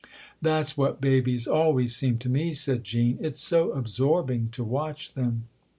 " That's what babies always seem to me," said Jean. " It's so absorbing to watch them."